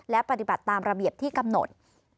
และปฏิบัติตามระเบียบที่กำหนด